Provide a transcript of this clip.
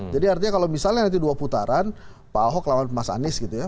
jadi artinya kalau misalnya nanti dua putaran pak ahok lawan mas anies gitu ya